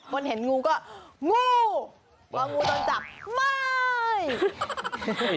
คนเห็นงูก็งูพองูโดนจับไม่